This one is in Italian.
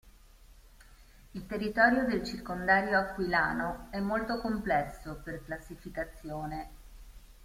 Il territorio del circondario aquilano è molto complesso per classificazione.